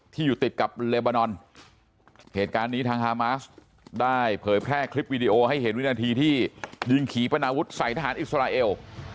อยู่ติดกับเลบานอนเหตุการณ์นี้ทางฮามาสได้เผยแพร่คลิปวิดีโอให้เห็นวินาทีที่ยิงขี่ปนาวุธใส่ทหารอิสราเอล